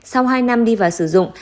sau hai năm đi vào sử dụng